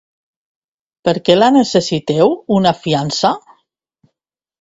Per què la necessiteu, una fiança?